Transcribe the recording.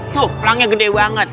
tuh pelangnya gede banget